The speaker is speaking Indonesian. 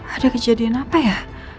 ada kejadian apa ya